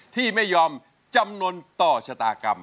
ที่ไม่ยอมจำนวนต่อชะตากรรม